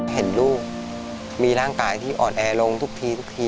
เห็นลูกมีร่างกายที่อ่อนแอลงทุกทีทุกที